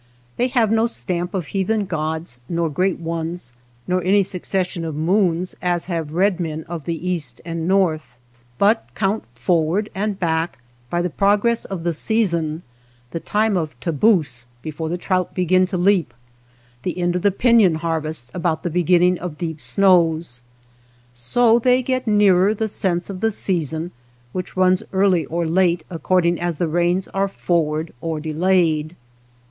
They have no stamp of heathen gods nor great ones, nor any succession of moons as have red men of the East and North, but count forward and back by the progress of the season ; the time of taboose, before the trout begin to leap, the end of the pifion harvest, about the beginning of deep snows. So they get nearer the sense of the season, which runs early or late according as the 170 THE BASKET MAKER rains are forward or delayed.